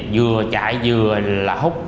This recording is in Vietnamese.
vừa chạy vừa là hút